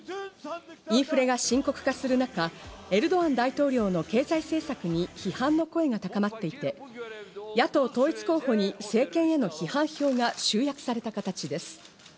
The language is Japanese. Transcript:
インフレが深刻化する中、エルドアン大統領の経済政策に批判の声が高まっていて、野党統一候補に政権への批判票が集約された形です。